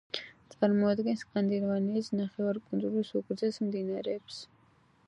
წარმოადგენს სკანდინავიის ნახევარკუნძულის უგრძეს მდინარეს.